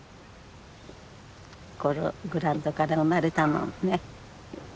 このグラウンドから生まれたもんね。